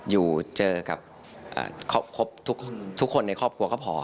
อยู่เจอกับครบทุกคนในครอบครัวก็พอ